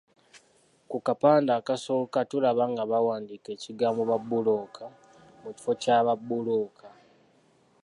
Ku kapande akasooka tulaba nga baawandiika ekigambo ‘Babuloka’ mu kifo kya ‘Ba bbulooka.’